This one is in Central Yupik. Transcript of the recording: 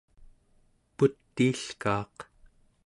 putiilkaaq